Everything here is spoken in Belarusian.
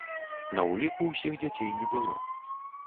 На ўліку ўсіх дзяцей не было.